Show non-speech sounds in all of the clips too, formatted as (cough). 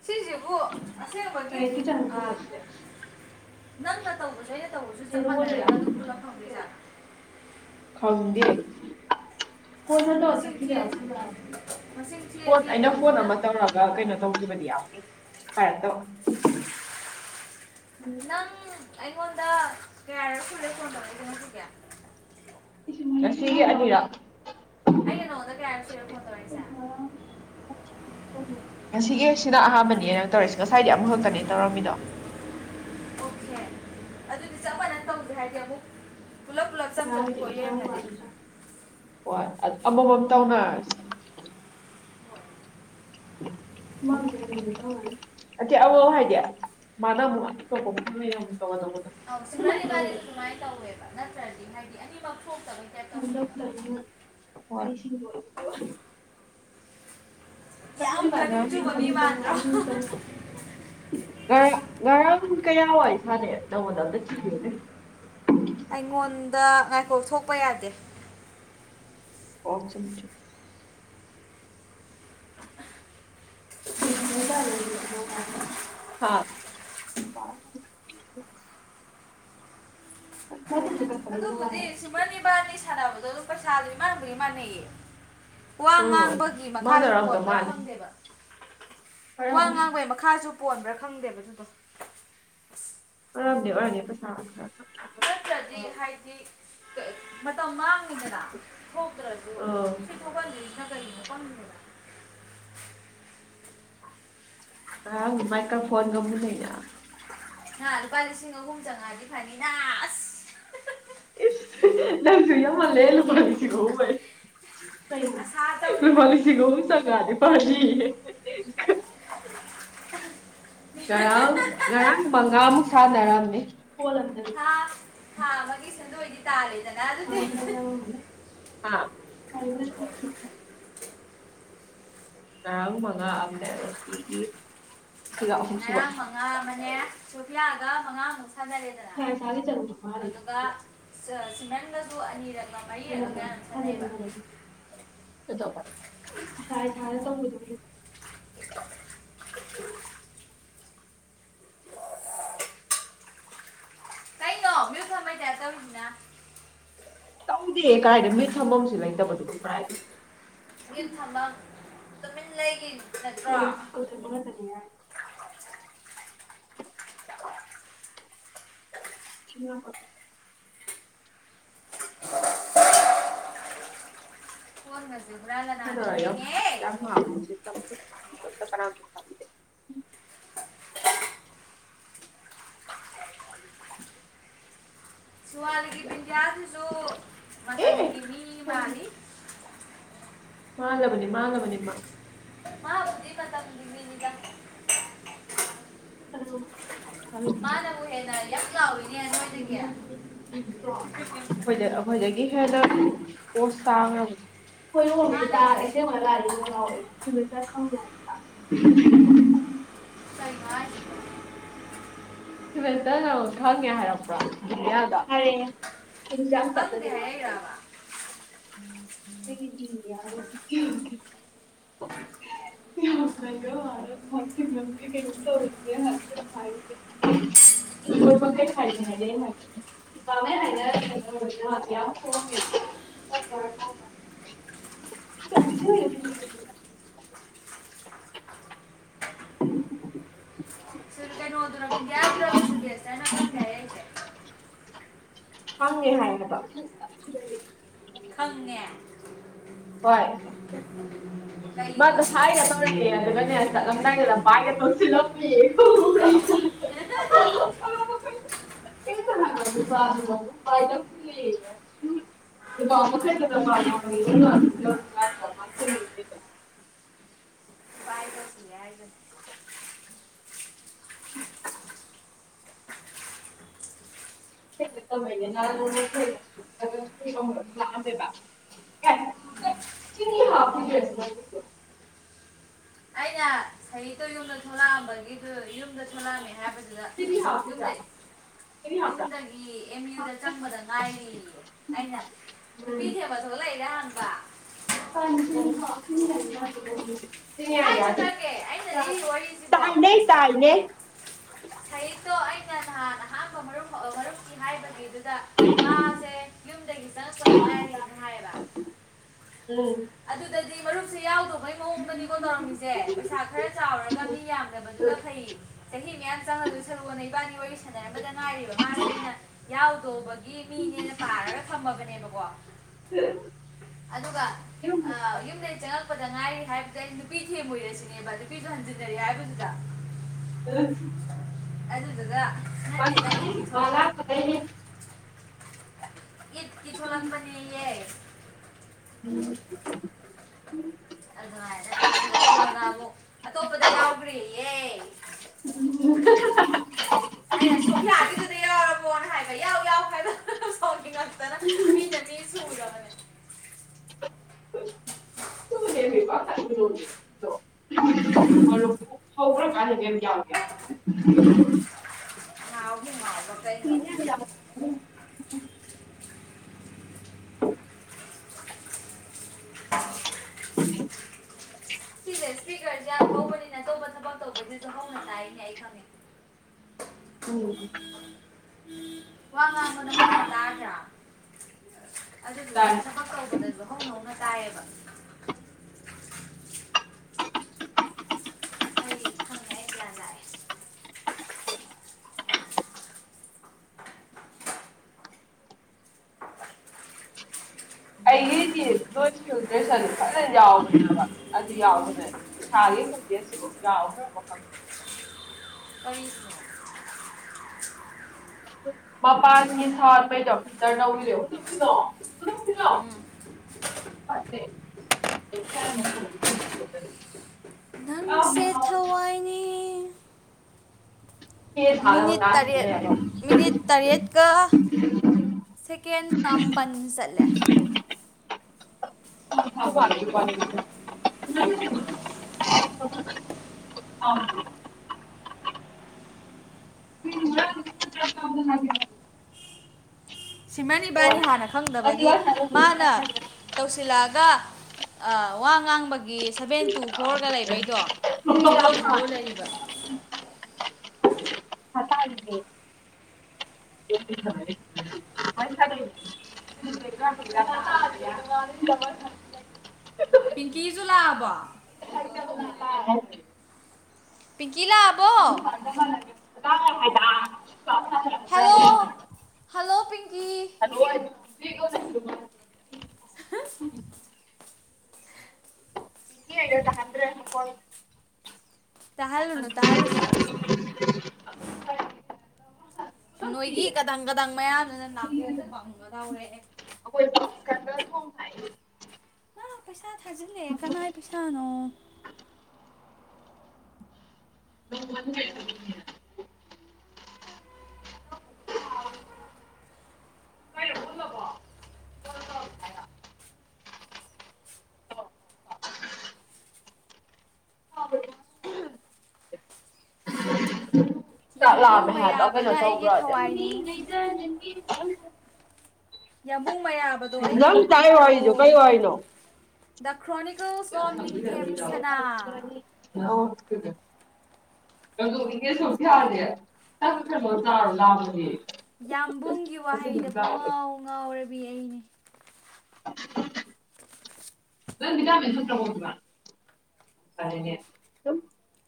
ꯉꯁꯤꯁꯤꯁꯤꯕꯨ ꯑꯁꯦꯡꯕꯒꯤ ꯂꯥꯏꯔꯤꯛꯀꯤ ꯆꯥꯡꯗꯣ ꯑꯥ ꯍꯣꯠꯂꯦ ꯅꯪ ꯅ ꯇꯧꯕꯖ‌ꯦ (unintelligible) ꯈꯪꯗ‌ꯦ ꯐꯣꯟ ꯐꯠ ꯃꯁꯤꯡ ꯇꯧꯆꯠꯈꯤꯕꯥ ꯊꯤꯔ ꯌꯥꯕꯥ ꯃꯁꯤꯡ ꯊꯤꯔ ꯐ‌ꯣꯟ ꯊꯤꯔ ꯑꯩꯅ ꯐꯣꯟ ꯇꯧꯁꯤꯅ ꯑꯃ ꯇꯧꯔꯒ ꯀꯩꯅꯣ ꯇꯧꯈꯤꯕꯅꯦ ꯌꯥꯝ (unintelligible) ꯅꯪ (unintelligible) ꯑꯩ‌ꯪꯉ‌ꯣꯟꯗ ꯀꯩꯌꯥꯔꯛ ꯁꯨꯔꯦ ꯐ‌ꯣꯟ ꯇꯧꯔꯛꯏꯁ‌ꯦ ꯉꯁꯤꯒꯤ ꯉꯁꯤꯒꯤ ꯑꯅꯤꯔꯛ ꯑꯩꯩꯅ ꯅꯉꯣꯟꯗꯥ ꯀꯌꯥꯔꯛ ꯁꯨꯔꯦ ꯐꯣꯟ ꯇꯧꯔꯛꯏꯁꯤ ꯉꯁꯤꯒꯤ ꯁꯤꯅ ꯑꯍꯥꯟꯕꯅꯦꯅ‌ꯦ ꯇꯧꯔꯤꯁꯤ ꯉꯁꯥꯏꯗꯤ ꯑꯃꯈꯛꯇꯅꯦ ꯇꯧꯔꯝꯃꯤꯗꯣ ꯑꯣꯀꯦ ꯑꯗꯨꯗꯤ ꯆꯄ ꯃꯅꯥꯟ ꯇꯧꯁꯤ ꯍꯥꯏꯗꯤ ꯑꯃꯨꯛ ꯄꯨꯂꯞ ꯄꯨꯂꯞ ꯆꯪꯗꯕꯤ ꯑꯣꯏ ꯂꯩꯔꯝꯃꯗꯤ (unintelligible) ꯍꯣꯏ ꯑꯃꯥꯃꯝ ꯇꯧꯅꯔꯁꯤ (unintelligible) ꯑꯗꯨꯃꯥꯏꯅ ꯁꯤꯃꯔꯟ ꯕꯥ ꯑꯗꯨ ꯇꯧꯋꯦꯕ ꯑꯗꯨꯅꯨꯡꯥꯏ ꯇ ꯍꯋꯦꯕ ꯅꯠ (unintelligible) ꯑꯥꯅꯤꯃꯛ ꯃꯥꯡꯗꯧꯇꯅ (unintelligible) ꯌꯥꯝ (unintelligible) ꯀꯅꯤꯡ ꯉꯔꯥꯡ ꯆꯨꯕ ꯃꯤ ꯃꯥꯟꯗ꯭ꯔꯣ ꯉꯔꯥꯡ ꯀꯌꯥ ꯋꯥꯏ ꯏꯁꯥꯅꯩ ꯑꯗꯨ ꯇꯧꯕꯗ ꯑꯝꯇ ꯊꯤꯈꯤꯕꯨꯅꯦ ꯑꯩꯉꯣꯟꯗ ꯉꯥꯏꯈꯣꯛ ꯊꯣꯛꯄ ꯌꯥꯗꯦ ꯑ‌ꯣ ꯆꯨꯃꯤ ꯆꯨꯃꯤ (unintelligible) (unintelligible) (unintelligible) ꯃꯟꯕꯖꯗꯤ ꯃꯥꯅꯩꯌꯦ ꯋꯥ ꯎꯝ ꯉꯥꯡꯕꯒꯤ ꯃꯈꯥꯁꯨ ꯃꯥꯟꯅꯔꯝꯗꯧ ꯄꯣꯠꯄ꯭ꯔꯥ ꯃꯥꯜꯂꯦ ꯈꯪꯗꯦꯕ ꯋꯥ ꯑꯣꯏꯔꯝꯅꯤ ꯉꯥꯡꯕꯩ ꯃꯈꯥꯁꯨ ꯄꯣꯟꯕ꯭ꯔꯥ ꯈꯪꯗꯦꯕ ꯑꯗꯨꯗꯣ ꯑꯔꯝꯅꯦ ꯑꯣꯏꯔꯅꯤ ꯄꯩꯁꯥ (unintelligible) ꯍꯥꯏꯗꯤ ꯃꯥꯇꯝ ꯃꯥꯡ (unintelligible) ꯊꯣꯛꯇ꯭ꯔꯁꯨ ꯑꯥ ꯁꯤ ꯊꯣꯛꯣꯛꯍꯜꯂꯤ (unintelligible) ꯑꯨꯃꯥꯏ ꯀꯔ ꯐꯣꯟ ꯉꯝꯨꯟꯅꯩ ꯅꯥ ꯍꯥꯥ ꯂꯨꯄꯥ ꯂꯤꯁꯤꯡ ꯑꯍꯨꯝ ꯆꯥꯉꯥꯗꯤ ꯐꯅꯤꯅꯥꯗꯥ ꯑꯁ ꯅꯪꯁꯨ ꯌꯝꯂꯦꯍꯦ ꯂꯨꯄꯥ ꯂꯤꯁꯤꯡ ꯑꯍꯨꯝ ꯍꯥꯏ ꯑꯁꯥ ꯂꯨꯄꯥ ꯇꯧꯔꯤꯕꯅꯤ ꯂꯤꯁꯤꯡ ꯑꯍꯨꯝ ꯆꯪꯉꯛꯑꯗꯤ (unintelligible) (inaudible) (unintelligible) ꯑꯣꯈꫭꯏꯗꯤ ꯇꯥꯔꯦ ꯅꯥ ꯑꯗꯨꯗꯤ ꯑꯥ (unintelligible) ꯉꯔꯥꯡ ꯃꯉꯥ ꯑꯗ ꯉꯁꯤꯒꯤ ꯁꯤꯒ ꯑꯍꯨꯝ ꯁꯨꯕ ꯂꯨꯄꯤꯌꯥꯒ ꯃꯉꯥꯃꯨꯛ ꯁꯟꯅꯔꯦꯗꯅ ꯏꯁꯥ ꯏꯁꯥꯒꯤ ꯆꯪꯕ ꯃꯥꯜꯂꯤꯗ ꯃꯣꯏꯗꯣ ꯑꯗꯨꯒ (unintelligible) ꯅꯪꯅꯁꯨ ꯑꯅꯤꯔꯛ ꯁꯥꯟꯅꯕ ꯁꯥꯟꯅꯃꯤꯟꯅꯔ ꯀꯩꯗꯧꯕ ꯏꯁꯥ ꯏꯁꯥꯅ ꯇꯧꯕꯗ ꯑꯣꯏꯅ ꯆ (inaudible) (inaudible) ꯀꯩꯅꯣ ꯃ꯭ꯌꯨꯠ ꯊꯝꯕꯩ ꯇꯥꯏꯞ ꯇꯧꯔꯤꯁꯤꯅ ꯇꯧꯗꯦ ꯀꯥꯏꯗ ꯃꯤꯠ ꯊꯝꯐꯝꯁꯨ ꯂꯩꯇꯕꯗꯨꯕꯨ ꯀꯗꯥꯥꯏ ꯊꯝꯗꯣꯏ ꯃ꯭ꯌꯨꯠ ꯊꯝꯐꯝ ꯇꯨꯃꯤꯟ ꯂꯩꯒꯤ ꯍꯣ ꯅꯠꯇ꯭ꯔꯣ ꯀ ꯊ ꯃꯅ ꯊꯅꯤ ꯌꯥ (inaudible) ꯐꯣꯟꯒꯁꯦ ꯍꯨꯔꯥꯟ ꯂꯅꯥꯟꯅ ꯊꯦꯡꯉꯦ (unintelligible) (unintelligible) ꯁꯨꯍꯂꯤꯒꯤ ꯄꯤꯌꯥꯖꯁꯨꯣ ꯑꯦ ꯃꯁꯪꯒꯤꯅꯤ ꯃꯥꯅꯤ ꯃꯥꯂꯕꯅꯤ ꯃꯥꯅꯕꯅꯤ ꯃꯥ ꯍꯕꯨ ꯄꯗ ꯑ ꯍ ꯌꯥꯥꯎ (unintelligible) ꯑꯩꯈꯣꯏꯗ ꯑꯩꯈꯣꯏꯗꯒꯤ ꯍꯦꯟꯅ ꯄꯣꯁ ꯆꯥꯡꯈꯕꯅꯦ ꯑꯩꯏꯣꯒꯤ (unintelligible) ꯃꯥꯅꯕꯨ ꯍꯦꯟꯅ ꯑꯁꯦꯡꯕ ꯂꯥꯏꯗꯤ ꯉꯥꯎꯋꯦ ꯁꯤꯗ ꯆꯔ ꯈꯪꯗꯦ ꯍꯥꯏꯅ ꯀꯩꯅꯣ ꯍꯥꯏꯁꯤꯕꯣ ꯁꯤꯃꯦꯟꯇꯅ ꯈꯪꯉꯦ ꯍꯥꯏꯔꯛꯄ꯭ꯔꯣ ꯈꯪꯗꯦ ꯍꯥꯏꯔꯛꯏꯔꯕ (unintelligible) (inaudible) (inaudible) ꯀꯩꯅꯣ (unintelligible) (unintelligible) ꯍꯥꯏꯌꯦꯕ ꯈꯪꯉꯦ ꯍꯣꯏ ꯃꯥꯗ ꯍꯥꯏꯒ ꯇꯧꯔꯛꯑꯦ ꯑꯗꯨꯒꯅꯦ ꯆꯠꯂꯝꯗꯥꯏꯗ ꯚꯏꯒ ꯇꯧꯁꯤꯜ (unintelligible) (inaudible) (inaudible) (inaudible) ꯍ (inaudible) ꯑꯩꯅ ꯁꯍꯤꯛꯇ ꯌꯨꯝꯗ ꯊꯣꯛꯂꯛꯑꯝꯕꯒꯤꯗꯨ ꯌꯨꯝꯗ ꯊꯣꯛꯣꯂꯛꯑꯃꯦ ꯍꯥꯏꯕ ꯑꯗꯨꯗ ꯌꯨꯝꯗ ꯃꯥ ꯌꯨꯝꯗꯒꯤ ꯑꯦꯝ ꯌꯨꯗ ꯆꯪꯕꯗ ꯉꯥꯏꯔꯤ ꯑꯩꯅ ꯅꯨꯄꯤ ꯊꯦꯕ ꯊꯣꯛ ꯂꯩꯔꯦ ꯍꯥꯟꯕ (inaudible) (inaudible) ꯍꯛꯇꯣ ꯑꯩꯅ ꯅꯍꯥꯟ ꯑꯍꯥꯡꯕꯨꯝ ꯃꯔꯨꯞꯀꯤ ꯍꯥꯏꯕꯒꯤ ꯑꯗꯨꯗ ꯃꯥꯁꯦ ꯌꯨꯝꯗꯒꯤ ꯆꯉꯛꯄꯗ ꯉꯥꯏꯔꯤꯅ ꯍꯥꯏꯌꯦꯕ ꯎꯝ ꯑꯗꯨꯗꯗꯤ ꯃꯔꯨꯞꯁꯤ ꯌꯥꯎ ꯃꯩ ꯃꯑꯣꯡꯗꯅꯤꯀꯣ ꯇꯧꯔꯝꯃꯤꯁꯦ ꯄꯩꯁꯥ ꯈꯔ ꯆꯥꯎꯔꯒ ꯃꯤ ꯌꯥꯝꯗꯕꯗꯨꯅ ꯐꯩ ꯆꯍꯤ ꯃꯌꯥ ꯁꯔꯨ ꯏꯕꯥꯅꯤ ꯋꯥꯔꯤ ꯁꯥꯟꯅꯔꯝꯕꯗ ꯉꯥꯏꯔꯤꯕ ꯃꯥꯁꯦ ꯑꯩꯅ ꯌꯥꯎꯗꯧꯕꯒꯤ ꯃꯤꯅꯦꯅ ꯄꯥꯔꯒ ꯊꯝꯃꯕꯅꯦꯕꯀꯣ ꯑꯗꯨꯒ ꯑ ꯌꯨꯝꯗꯩꯩ ꯆꯡꯉꯛꯄꯥ ꯉꯥꯏꯔꯤ ꯍꯥꯏꯕꯗꯨꯗ ꯑꯩ ꯅꯨꯄꯤ ꯊꯤꯇꯝꯃꯣꯏꯗꯔꯥ ꯁꯤꯅꯦꯕ ꯅꯨꯄꯤꯁꯨ ꯍꯟꯖꯤꯟꯅꯔꯦ ꯍꯥꯏꯕꯗꯨꯗ (unintelligible) ꯑꯗꯨꯗꯨꯒ ꯅꯠꯇꯦꯗ ꯏꯠꯀꯤ ꯊꯣꯛ (unintelligible) ꯏꯀꯤ ꯊꯣꯛꯂꯛꯄꯌꯦ (unintelligible) ꯑꯗꯨꯃꯥꯏꯅ ꯑꯗꯨꯒ ꯀꯣꯟꯅ ꯑꯃꯨꯛ ꯑꯇꯣꯞꯄꯗ ꯌꯥꯎꯈ꯭ꯔꯤꯌꯦ (unintelligible) ꯑꯩꯅꯥ ꯁꯣꯐꯤꯌꯥ ꯏꯗꯨꯗꯥ ꯌꯥꯑꯣꯔꯕꯣ ꯍꯥꯏ ꯌꯥꯎ - ꯌꯥꯎ ꯍꯥꯏꯕꯥ ꯁꯥꯎ (unintelligible) ꯃꯤꯅ ꯃꯤ ꯁꯨꯗꯕꯅꯦ (unintelligible) (unintelligible) (unintelligible) (unintelligible) ꯎꯝ꯫ ꯇ ꯇꯧꯕꯗꯁꯨ ꯍꯧꯅ - ꯍꯧꯅ ꯇꯥꯏꯌꯦꯕ꯫ ꯑꯩꯒꯤꯗꯤ ꯂꯣꯏꯗ꯭ꯔꯦꯁ ꯑꯗꯨ ꯐꯖꯅ ꯌꯥꯎꯈ꯭ꯔꯦꯕ ꯑꯗꯨ ꯌꯥꯎꯕꯅꯦ ꯏꯁꯥꯒꯤ ꯈꯣꯖꯦꯁꯤꯐ ꯌꯥꯎꯈ꯭ꯔꯕ ꯈꯪ ꯑꯩꯁꯨ꯫ ꯃꯄꯥꯟꯒꯤ (unintelligible) ꯑꯦꯊꯋꯥꯏꯅꯤ ꯐꯦꯟ ꯊꯥꯗꯕ ꯃꯤꯅꯤꯠ ꯀꯥꯁꯤꯗ ꯇꯔꯦꯠ ꯂꯩꯔꯒ ꯃꯤꯅꯤꯠ ꯇꯔꯦꯠꯀ ꯁꯦꯀꯦꯟ ꯃꯥꯄꯟ ꯆꯠꯂꯦ꯫ (unintelligible) (unintelligible) ꯁꯤꯃꯅꯤ ꯏꯕꯥꯅꯤ ꯀꯣꯜ ꯍꯥꯟꯅ ꯈꯪꯗꯕꯒꯤ ꯇꯧꯔꯛꯑꯣ ꯃꯥꯅ ꯇꯧꯁꯤꯜꯂꯛꯑꯒ ꯑ ꯋꯥ ꯉꯥꯡꯕꯒꯤ ꯁꯚꯦꯟ ꯇꯨ ꯐꯣꯔꯒ ꯂꯩꯕꯩꯗꯣ ꯖꯤꯔꯣ - ꯖꯤꯔꯣ ꯂꯩꯕ꯫ (unintelligible) (unintelligible) ꯄꯤꯡꯀꯤꯖꯨꯂꯥꯕ? (unintelligible) ꯄꯤ ꯀꯤ ꯂ ꯑꯕꯣ? (unintelligible) ꯍꯦꯜꯂꯣ ꯍꯜ (unintelligible) ꯇꯗ꯭ꯔꯦ ꯍꯣꯏ ꯁꯤ ꯇꯥꯍꯜꯂꯨꯅꯨ ꯍꯣꯏ ꯅꯣꯏꯒꯤ ꯀꯗꯪ ꯀꯗꯪ ꯃꯌꯥꯗꯨꯅ ꯅꯥꯀꯣꯡ ꯄꯪꯒꯗꯧꯔꯦ ꯀ ꯍꯣ ꯍꯥꯏ ꯄꯨꯡꯊꯥ ꯊꯥꯖꯤꯜꯂꯦ ꯀꯅꯥꯏ ꯄꯩꯁꯥꯅꯣ ꯅ ꯍꯥꯏꯔ ꯇꯧꯔꯛꯑꯣ (inaudible) ꯎꯝ ꯌꯥꯝꯕꯨꯡ ꯆꯥꯛꯂꯥꯝꯃꯦ ꯍꯥꯏꯕ ꯀꯩꯅꯣ ꯃꯩꯔꯥꯕꯅ ꯑꯩꯒꯤ ꯇꯧꯕ꯭ꯔ ꯑ ꯊꯋꯥꯏꯅꯤ ꯌꯥꯝꯕꯨꯡ ꯃꯩꯔꯥꯕꯗꯣ ꯑꯩꯒꯤ ꯑꯝꯇ ꯄꯤꯕꯤꯔꯛꯑꯣ ꯍꯂꯣ ꯑꯗꯨꯗꯣ ꯏꯒꯦ ꯁꯣ ꯊꯗꯦ ꯆ ꯈꯣ ꯆꯥꯔꯣ ꯂꯥꯛꯕꯅꯦ ꯌꯥꯝꯕꯨꯡꯒꯤ ꯋꯥꯍꯩꯗ ꯄꯨꯡꯉꯥꯎ ꯉꯥꯎꯔꯦ ꯕꯤ ꯑꯩꯅꯤ ꯅꯪ ꯃꯤꯗꯥ ꯃꯦꯟ ꯈ꯭ꯔꯄꯣꯃ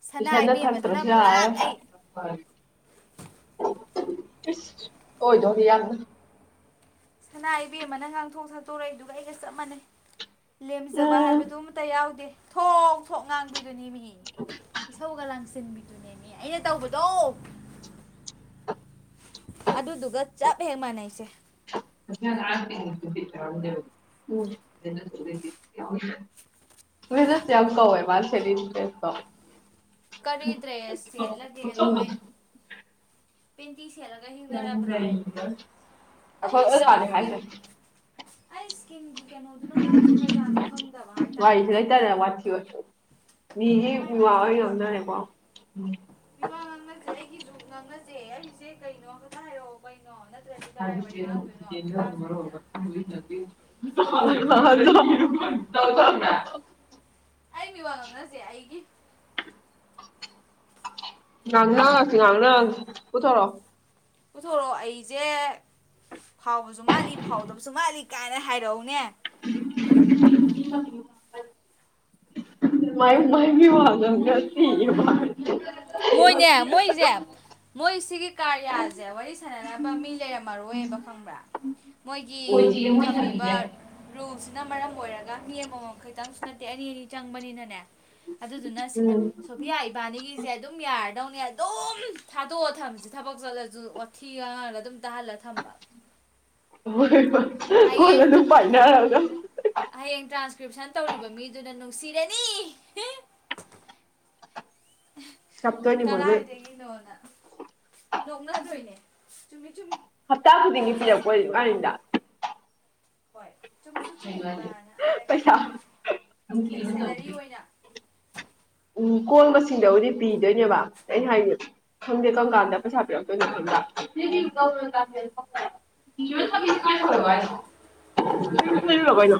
ꯁꯅꯥ ꯄꯩꯁꯥꯗ ꯏꯕꯦꯝꯃꯗꯨꯅ ꯊꯥꯛꯇꯔꯣꯁꯨ ꯄꯨꯔꯥ ꯌꯥꯔꯦ ꯑꯩ ꯐꯔꯦ ꯑꯣꯏꯗ ꯌꯥ ꯁꯅꯥ ꯏꯕꯦꯝꯃꯅ ꯉꯥꯡꯊꯣꯛ ꯁꯛꯇꯣꯔꯛꯏꯗꯨꯒ ꯑꯩꯒ ꯆꯞ ꯃꯥꯟꯅꯩ ꯂꯦꯝꯖꯕ ꯎꯝ ꯍꯥꯏꯕꯗꯨ ꯑꯃꯇ ꯌꯥꯎꯗꯦ ꯊꯣꯡ ꯊꯣꯛ ꯉꯥꯡꯕꯤ ꯑꯗꯨꯅꯦ ꯃꯤ ꯏꯁꯧꯒ ꯂꯥꯡꯁꯤꯟꯕꯤ ꯑꯗꯨꯅꯦꯃꯤ ꯑꯩꯅ ꯇꯧꯕꯗꯣ ꯑꯗꯨꯗꯨꯒ ꯆꯞ ꯍꯦꯛ ꯃꯥꯟꯅꯩꯁꯦ (unintelligible) ꯀꯔꯤ ꯗ꯭ꯔꯦꯁ ꯁꯦꯠꯂꯒꯦ ꯅꯣꯏ ꯄ ꯌꯥꯝꯖꯔꯤꯗ ꯑꯩꯈꯣꯏ ꯑꯩ ꯑꯗꯨ ꯋꯥꯅꯤ ꯏꯁꯀꯤꯟꯒꯤ ꯍꯥꯏꯖꯦ ꯑꯩ ꯏꯁꯀꯤꯟꯒꯤ ꯀꯩꯅꯣꯗꯨꯅ ꯀꯥꯏ ꯆꯠꯈ꯭ꯔꯖꯥꯠꯅꯣ ꯈꯪꯗꯕ ꯋꯥꯔꯤꯁꯦ ꯍꯥꯏꯇꯥꯔꯦꯅꯦ ꯂꯩꯇꯔꯦ ꯋꯥꯊꯤꯕ ꯃꯤꯒꯤ ꯃꯥꯏ ꯃꯤ ꯋꯥ ꯃꯥꯏ ꯑꯣꯏꯅ ꯊꯣꯛꯄ ꯌꯣꯗꯅꯦꯀꯣ ꯅꯪ ꯅꯁꯦ ꯑꯩꯁꯦ ꯀꯩꯅꯣ ꯈ ꯍꯥꯏꯔꯛꯑꯣ ꯀꯩꯅꯣ ꯅ ꯔ ꯁꯥ (inaudible) ꯑꯩ ꯃꯤ ꯋꯥ ꯉꯪꯅꯁꯦ ꯑꯩꯒꯤ ꯉꯪꯅ ꯉꯁꯤ ꯉꯪꯅ ꯉꯁꯤ ꯀꯊꯔꯣ ꯄꯨꯊꯣꯔꯛꯑꯣ ꯑꯩꯁꯦ ꯐꯥꯎꯕꯁꯨ ꯃꯥꯜꯂꯤ ꯐꯥꯎꯗꯕꯁꯨ ꯃꯥꯜꯂꯤ ꯀꯥꯏꯅ ꯍꯥꯏꯔꯛꯎꯅꯦ ꯃ ꯃꯥꯏꯕꯤ ꯋꯥ ꯃꯣꯏꯅꯦ ꯃꯣꯏꯁꯦ ꯃꯣꯏꯁꯤꯒꯤ ꯀꯥꯔꯌꯥꯁꯦ ꯋꯥꯔꯤ ꯁꯅꯅꯕ ꯃꯤ ꯂꯩꯔꯝꯃꯔꯣꯏꯕ ꯈꯪꯕ꯭ꯔꯥ ꯑꯩꯈꯣꯏ ꯃꯣꯏꯒꯤ ꯆꯦ ꯃꯣꯏꯊꯕꯤꯁꯦ ꯊꯝꯃꯤꯕ ꯔꯨꯁ ꯅ ꯃꯔꯝ ꯑꯣꯏꯔꯒ ꯃꯤ ꯑꯃꯃꯝ ꯈꯇꯪꯁꯨ ꯅꯠꯇꯦ ꯑꯅꯤ ꯑꯅꯤ ꯆꯪꯕꯅꯤꯅꯅꯦ ꯑꯗꯨꯗꯨꯅ ꯎꯝ ꯁꯣꯐꯌꯥ ꯏꯕꯥꯅꯤꯒꯤ ꯦ ꯑꯗꯨꯝ ꯌꯥꯔꯗꯧꯅ ꯑꯗꯨꯝ ꯊꯥꯗꯣꯛꯑ ꯊꯝꯁ ꯊꯕꯛ ꯆꯠꯂꯁꯨ ꯋꯥꯊꯤ ꯉꯔ ꯑꯗꯨꯝ ꯇꯍꯂ ꯊꯝꯕ ꯍꯣꯏ ꯍꯣꯏ ꯀꯣꯟ ꯍꯡ ꯑꯗꯨꯝ ꯄꯥꯏꯅꯔꯒ ꯍꯌꯦꯡ ꯇ꯭ꯔꯥꯟꯁꯀ꯭ꯔꯤꯞꯁꯟ ꯇꯧꯔꯤꯕ ꯃꯤꯗꯨꯅ ꯁꯤꯔꯅꯤ ꯀꯞꯇꯣꯏꯅꯤ ꯃꯣꯏꯕꯨ ꯀꯗꯥꯥꯏꯗꯒꯤꯅꯣꯅ ꯂꯣꯛꯅꯗꯣꯏꯅꯦ ꯇꯨꯝꯃꯤ ꯍꯞꯇꯥ ꯈꯨꯗꯤꯡꯒꯤ ꯄꯤꯔꯛꯄꯣ ꯀꯥꯏꯗ ꯍꯣꯏ ꯆꯨꯝꯁꯨ ꯆꯨꯝꯃꯤꯕꯅ ꯄꯩꯁꯥ ꯍꯥꯏꯔꯛꯀꯗꯣꯏꯅꯤ ꯁꯦꯂꯔꯤ ꯑꯣꯏꯅ ꯎꯝ ꯀꯣꯟꯕꯁꯤꯡꯗꯕꯨꯗꯤ ꯄꯤꯗꯣꯏꯅꯦꯕ ꯑꯩꯅ ꯍꯥꯏꯗꯤ ꯈꯪꯗꯦ ꯀꯔꯝ ꯀꯥꯟꯗ ꯄꯩꯁꯥ ꯄꯤꯔꯛꯇꯣꯏꯅꯣ ꯈꯪꯕ꯭ꯔ ꯣꯏꯅ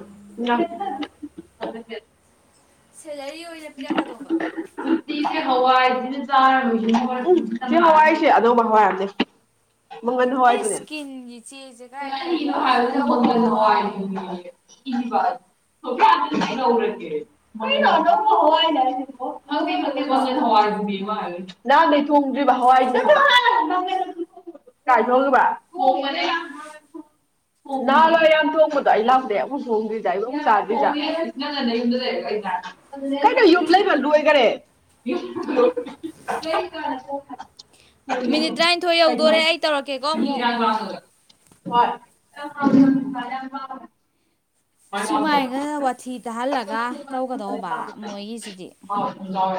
ꯁꯦꯂꯔꯤ ꯑꯣꯏꯅ ꯄꯤꯔꯛꯀꯗꯧꯕ ꯍꯋꯥꯏꯥꯔꯣꯏ ꯍꯋꯥꯏꯁꯦ ꯑꯗꯧꯕ ꯍꯋꯥꯏꯔꯝꯖꯦ ꯃꯒꯟ ꯑꯩ ꯍꯅꯦ ꯍꯥꯏ ꯁ꯭ꯀꯤꯟꯒꯤ ꯆꯦꯁꯦ ꯀꯗꯥꯏ ꯊꯝꯈ꯭ꯔꯕꯅꯣ ꯈꯪꯗꯦ ꯃ ꯏ ꯊ ꯅꯔ ꯅꯍꯥꯟꯗꯩ ꯊꯣꯡꯗ꯭ꯔꯤꯕ ꯍꯋꯥꯏꯗ ꯀꯥꯏ ꯊꯣꯡꯕ ꯅꯍꯥꯟ ꯂꯣꯏ ꯌꯥꯝ ꯊꯣꯡꯕꯗꯣ ꯑꯩ ꯂꯥꯛꯗꯩ ꯑꯃꯨꯛ ꯍꯣꯡꯗ꯭ꯔꯤꯁꯥ ꯑꯩꯛ ꯆꯥꯗ꯭ꯔꯤꯁ ꯀꯩꯅꯣ ꯌꯨꯝ ꯂꯩꯃꯜꯂꯨꯈꯔꯦ ꯃꯤꯅꯤꯠ ꯇꯔꯥꯅꯤꯊꯣꯏ ꯌꯧꯗꯣꯔꯦ ꯑꯩ ꯇꯧꯔꯛꯀꯦꯀꯣ ꯑꯃꯨꯛ ꯍ ꯁꯨꯃꯥꯏꯅ ꯋꯥꯊꯤ ꯇꯥꯍꯜꯂꯒ ꯇꯧꯒꯗꯧꯕ ꯃꯣꯏꯒꯤꯁꯤꯗꯤ ꯑꯥꯎ